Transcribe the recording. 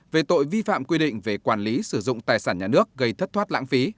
về tội vi phạm quy định về quản lý sử dụng tài sản nhà nước gây thất thoát lãng phí